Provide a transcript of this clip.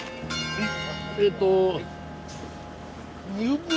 はい。